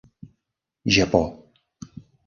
Japó.